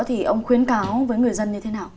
thì ông khuyến cáo với người dân như thế nào